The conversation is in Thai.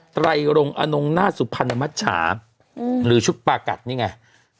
ไตรรงอนงหน้าสุพรรณมัชชาหรือชุดปากัดนี่ไง